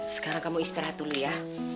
sekarang kamu istirahat dulu ya